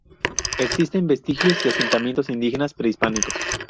Existen vestigios de asentamientos indígenas prehispánicos.